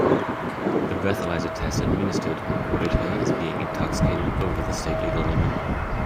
The breathalyzer test administered recorded her as being intoxicated over the state legal limit.